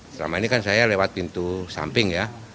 selama ini kan saya lewat pintu samping ya